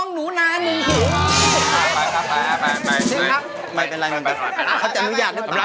หนูน่าปฏิเสียอีกทีแล้วเนี่ยจริงหรือ